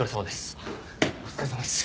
お疲れさまです。